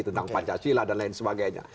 tentang pancasila dan lain sebagainya